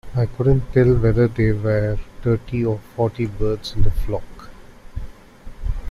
I couldn't tell whether there were thirty or forty birds in the flock